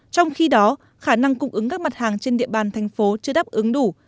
trong khi đó khả năng cung ứng các mặt hàng trên địa bàn thành phố chưa đáp ứng đủ